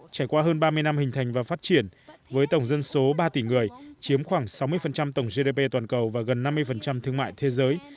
trải qua hơn ba mươi năm hình thành và phát triển với tổng dân số ba tỷ người chiếm khoảng sáu mươi tổng gdp toàn cầu và gần năm mươi thương mại thế giới